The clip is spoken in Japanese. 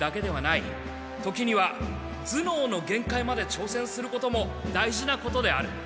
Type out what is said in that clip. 時には頭脳の限界まで挑戦することも大事なことである。